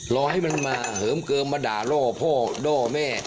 รอให้มันมาเหิมเกิมมาด่าล่อพ่อด้อแม่